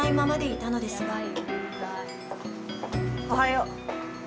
おはよう。